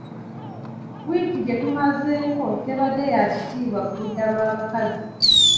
Wiiki gye tumazeeko tebadde ya kitiibwa ku ludda lw’abakazi.